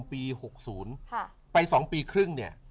ปี๖๐ไป๒ปีครึ่งเนี่ย